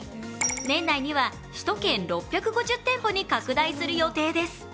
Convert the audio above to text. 年内には首都圏６５０店舗に拡大する予定です。